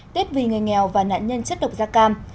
tết vì người nghèo và nạn nhân chất độc da cam